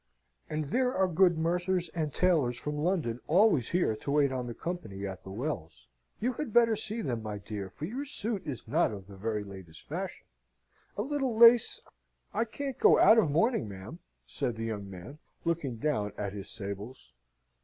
"And there are good mercers and tailors from London always here to wait on the company at the Wells. You had better see them, my dear, for your suit is not of the very last fashion a little lace " "I can't go out of mourning, ma'am," said the young man, looking down at his sables.